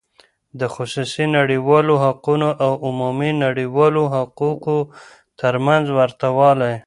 د خصوصی نړیوالو حقوقو او عمومی نړیوالو حقوقو تر منځ ورته والی :